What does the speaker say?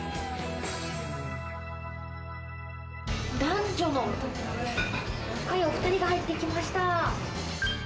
男女の若いお二人が入ってきました。